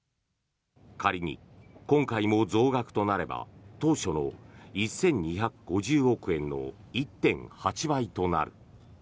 仮に今回も増額となれば当初の１２５０億円の１．８倍となる。